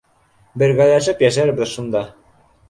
Бергәләшеп йәшәрбеҙ шунда.